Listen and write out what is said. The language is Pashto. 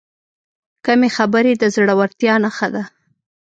کمې خبرې، د زړورتیا نښه ده.